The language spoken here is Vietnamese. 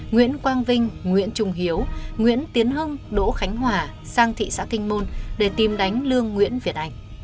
nguyễn quang vinh nguyễn trung hiếu nguyễn tiến hưng đỗ khánh hòa sang thị xã kinh môn để tìm đánh lương nguyễn việt anh